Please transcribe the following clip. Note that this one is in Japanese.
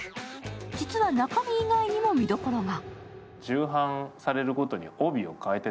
実は中身以外にも見どころが。